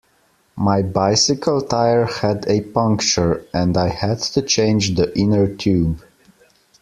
My bicycle tyre had a puncture, and I had to change the inner tube